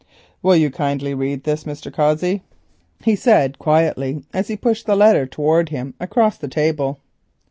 "Will you kindly read this, Mr. Cossey?" he said quietly, as he pushed the letter towards him across the table.